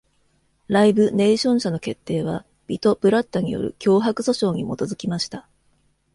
ライブ・ネイション社の決定は、ビト・ブラッタによる脅迫訴訟に基づきました。